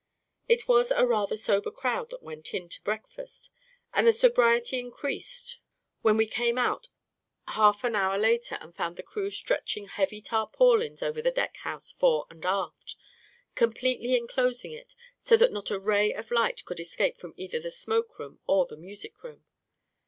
It was a rather sober crowd that went, in to breakfast, and the sobriety increased when we came 52 A KING IN BABYLON out half an hour later and found the crew stretching heavy tarpaulins over the deck house fore and aft, completely enclosing it, so that not a ray of light could escape from either the smoke room or the music room.